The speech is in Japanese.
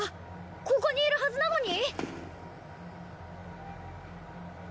ここにいるはずなのに？